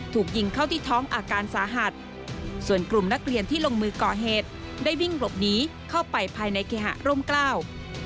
ถูกยิงเข้าที่ท้องอาการสาหัสส่วนกลุ่มนักเรียนที่ลงมือก่อเหตุได้วิ่งหลบหนีเข้าไปภายในเคหะร่มเกล้า